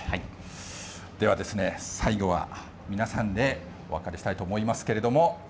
ではですね、最後は皆さんでお別れしたいと思いますけれども。